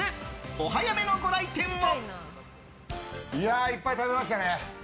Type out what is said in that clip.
お早めのご来店を。